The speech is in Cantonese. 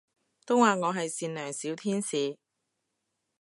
都話我係善良小天使